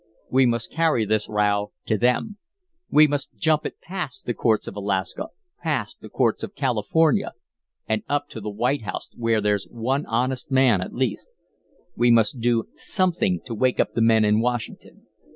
We must carry this row to them. We must jump it past the courts of Alaska, past the courts of California, and up to the White House, where there's one honest man, at least. We must do something to wake up the men in Washington.